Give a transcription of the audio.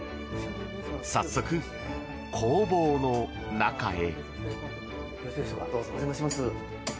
早速、工房の中へ。